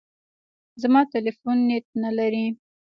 زما ټلیفون نېټ نه لري .